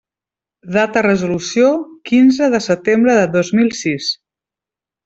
Data resolució: quinze de setembre de dos mil sis.